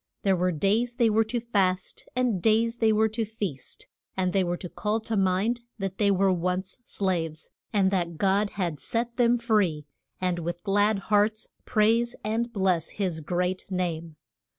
There were days they were to fast, and days they were to feast, and they were to call to mind that they were once slaves, and that God had set them free, and with glad hearts praise and bless his great name.